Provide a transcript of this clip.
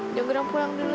nyenggerang poyang dulu ya